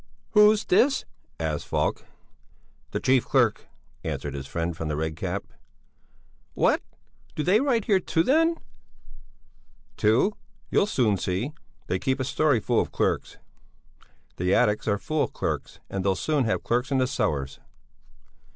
"Who's this?" asked Falk. "The chief clerk," answered his friend from the Red Cap. "What? Do they write here, too, then?" "Too? You'll soon see! They keep a story full of clerks; the attics are full of clerks and they'll soon have clerks in the cellars."